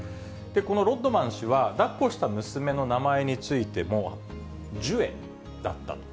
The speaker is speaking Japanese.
このロッドマン氏は、だっこした娘の名前についても、ジュエだったと。